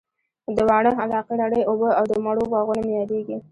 د واڼه علاقې رڼې اوبه او د مڼو باغونه مي ياديږي